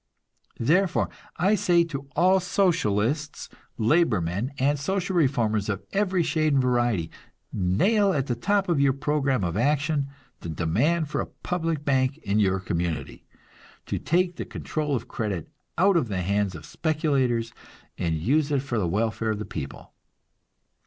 Therefore, I say to all Socialists, labor men and social reformers of every shade and variety, nail at the top of your program of action the demand for a public bank in your community, to take the control of credit out of the hands of speculators and use it for the welfare of the people.